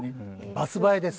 バス映えです。